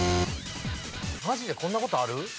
マジでこんなことある？